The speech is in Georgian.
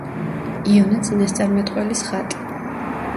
იონა წინასწარმეტყველის ხატი.